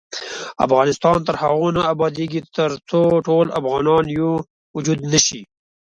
افغانستان تر هغو نه ابادیږي، ترڅو ټول افغانان یو وجود نشي.